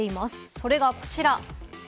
それがこちら。